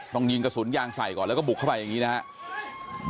ยิงกระสุนยางใส่ก่อนแล้วก็บุกเข้าไปอย่างนี้นะครับ